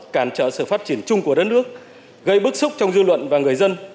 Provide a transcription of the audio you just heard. cản trở sự phát triển chung của đất nước gây bức xúc trong dư luận và người dân